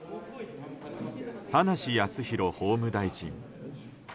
葉梨康弘法務大臣。